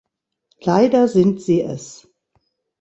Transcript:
Leider sind sie es!